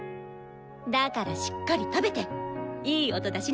だからしっかり食べていい音出しなさい！